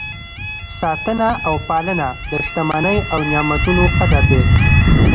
ساتنه او پالنه د شتمنۍ او نعمتونو قدر دی.